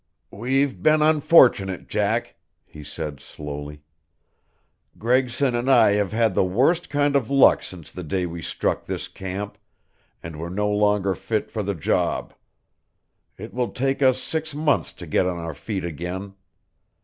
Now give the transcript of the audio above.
"We've been unfortunate, Jack," he said slowly. "Gregson and I have had the worst kind of luck since the day we struck this camp, and we're no longer fit for the job. It will take us six months to get on our feet again.